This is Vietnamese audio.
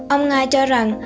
ông nga cho rằng